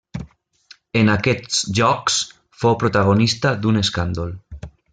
En aquests Jocs fou protagonista d'un escàndol.